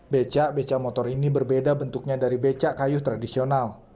becak beca motor ini berbeda bentuknya dari becak kayu tradisional